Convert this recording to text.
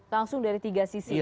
langsung dari tiga sisinya